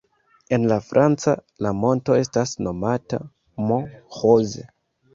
En la franca, la monto estas nomata "Mont Rose".